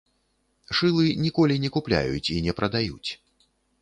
Шылы ніколі не купляюць і не прадаюць.